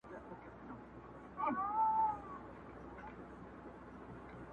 بس چي کله دي کابل کي یوه شپه سي,